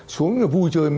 xuống vui chơi